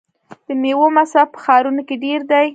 د میوو مصرف په ښارونو کې ډیر دی.